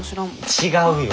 違うよ。